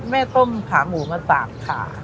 ต้มขาหมูมา๓ขา